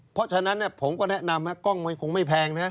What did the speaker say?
เพราะฉะนั้นผมก็แนะนำกล้องมันคงไม่แพงนะ